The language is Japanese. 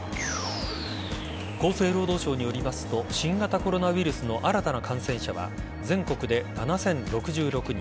厚生労働省によりますと新型コロナウイルスの新たな感染者は全国で７０６６人